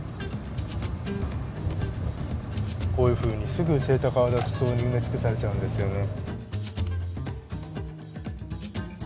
こういうふうにすぐセイタカアワダチソウに埋め尽くされちゃうんですよね。